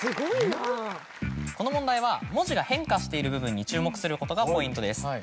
この問題は文字が変化している部分に注目することがポイントです。